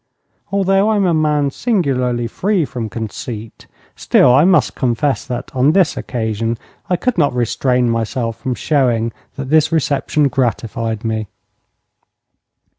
Although I am a man singularly free from conceit, still I must confess that, on this one occasion, I could not restrain myself from showing that this reception gratified me.